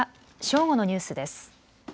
正午のニュースです。